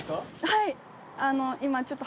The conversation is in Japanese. はい。